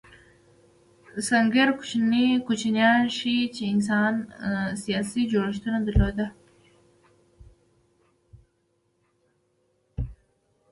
سنګیر کوچنیان ښيي، چې انسان سیاسي جوړښتونه درلودل.